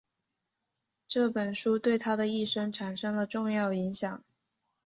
这本书对他的一生产生了重要影响。